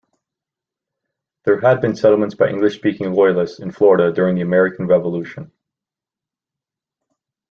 There had been settlements by English-speaking loyalists in Florida during the American Revolution.